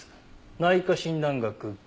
「『内科診断学』」。